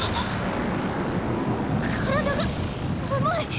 体が重い！